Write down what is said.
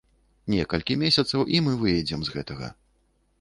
Некалькі месяцаў, і мы выедзем з гэтага.